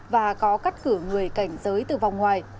và có cắt cử người cảnh giới từ vòng ngoài